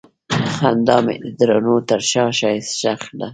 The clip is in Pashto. خندا مې د دردونو تر شا ښخ ده.